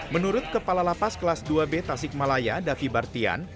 menurut kepala lapas kelas dua b tasik malaya davi bartian